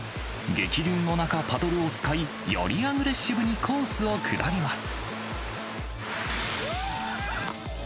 激流の中、パドルを使い、よりアグレッシブにコースを下ります。